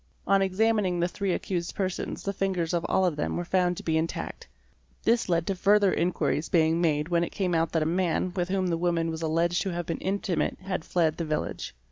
On examining the three accused persons the fingers of all of them were found to be intact. This led to further inquiries being made when it came out that a man with whom the woman was alleged to have been intimate had fled the village.